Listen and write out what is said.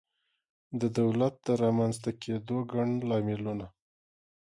د دولت د رامنځته کېدو ګڼ لاملونه